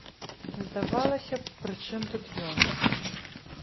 Здавалася б, пры чым тут ён?